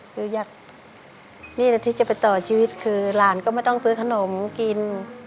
คืออยากนี่แหละที่จะไปต่อชีวิตคือหลานก็ไม่ต้องซื้อขนมกิน